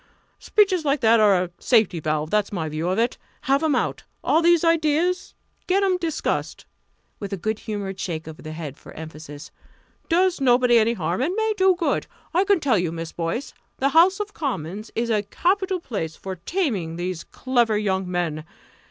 Speeches like that are a safety valve that's my view of it. Have 'em out all these ideas get 'em discussed!" with a good humoured shake of the head for emphasis. "Does nobody any harm and may do good. I can tell you, Miss Boyce, the House of Commons is a capital place for taming these clever young men!